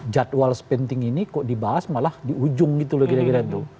jadwal sepenting ini kok dibahas malah di ujung gitu loh kira kira tuh